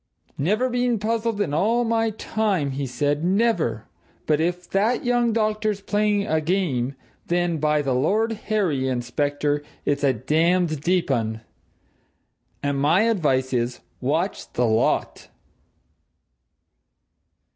"Never been better puzzled in all my time!" he said. "Never! But if that young doctor's playing a game then, by the Lord Harry, inspector, it's a damned deep 'un! And my advice is watch the lot!"